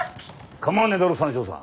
構わねえだろ？三笑さん。